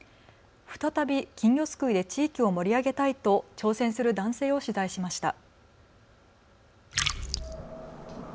再び金魚すくいで地域を盛り上げたいと挑戦する男性を取材しました。